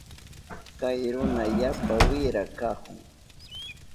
Kay runa yapa wira kahun.